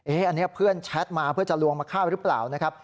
อันนี้เพื่อนแชทมาเพื่อจะลวงมาฆ่าหรือเปล่านะครับ